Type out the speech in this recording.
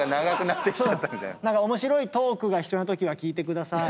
面白いトークが必要なときは聞いてください。